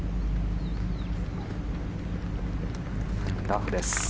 ラフです。